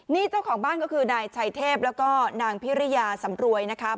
นี่เจ้าของบ้านก็คือนายชัยเทพแล้วก็นางพิริยาสำรวยนะครับ